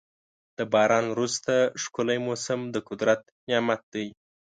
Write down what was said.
د باران وروسته ښکلی موسم د قدرت نعمت دی.